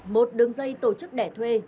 một đường dây tổ chức đẻ thuật